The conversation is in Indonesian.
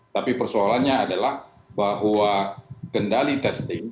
tapi persoalannya adalah bahwa kendali testing